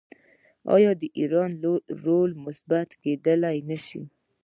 آیا د ایران رول مثبت کیدی نشي؟